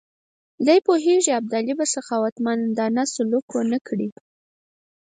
دی پوهېدی ابدالي به سخاوتمندانه سلوک ونه کړي.